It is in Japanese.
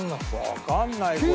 わからないこれ。